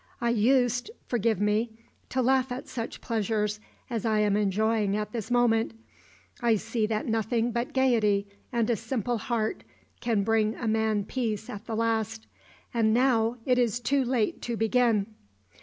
I used forgive me to laugh at such pleasures as I am enjoying at this moment, I see that nothing but gaiety and a simple heart can bring a man peace at the last and now it is too late to begin!"